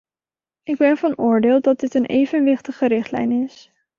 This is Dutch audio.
Ik ben van oordeel dat dit een evenwichtige richtlijn is.